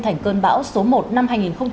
thành cơn bão số một năm hai nghìn hai mươi ba